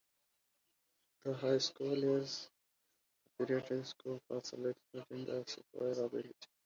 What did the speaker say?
The high school is a preparatory school for select students of superior ability.